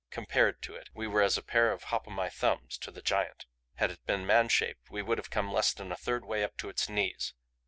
Compared to it we were as a pair of Hop o' my Thumbs to the Giant; had it been man shaped we would have come less than a third way up to its knees.